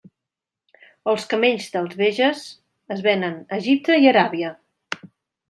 Els camells dels beges es venen a Egipte i Aràbia.